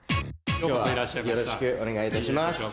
今日はよろしくお願いいたします。